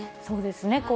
そうですね。